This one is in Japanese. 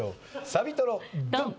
サビトロドン！